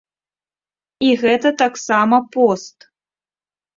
І гэта таксама пост.